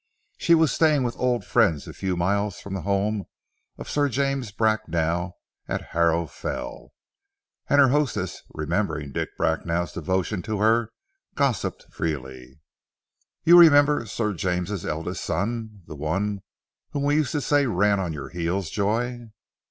She was staying with old friends a few miles from the home of Sir James Bracknell at Harrow Fell, and her hostess, remembering Dick Bracknell's devotion to her, gossiped freely. "You remember Sir James' eldest son, the one whom we used to say ran on your heels, Joy?"